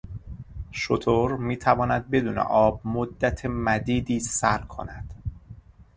شتر میتواند بدون آب مدت مدیدی سر کند.